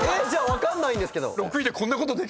⁉分かんないんですけど。